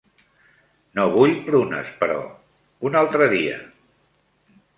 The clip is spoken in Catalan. No vull prunes, però, un altre dia.